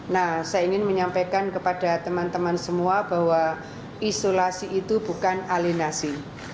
nah saya ingin menyampaikan kepada teman teman semua bahwa isolasi itu bukan alinasi